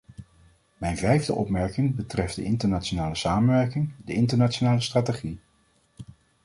Mijn vijfde opmerking betreft de internationale samenwerking, de internationale strategie.